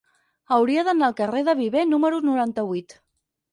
Hauria d'anar al carrer de Viver número noranta-vuit.